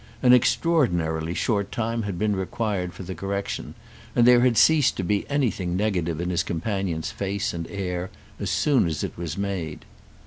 An extraordinarily short time had been required for the correction, and there had ceased to be anything negative in his companion's face and air as soon as it was made.